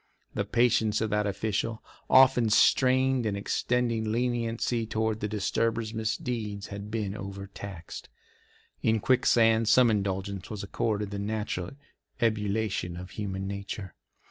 The patience of that official, often strained in extending leniency toward the disturber's misdeeds, had been overtaxed. In Quicksand some indulgence was accorded the natural ebullition of human nature.